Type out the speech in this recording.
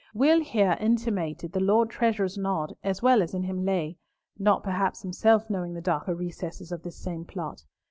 Will here imitated the Lord Treasurer's nod as well as in him lay, not perhaps himself knowing the darker recesses of this same plot.